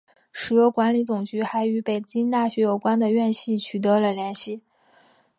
石油管理总局还与北京大学有关的院系取得了联系。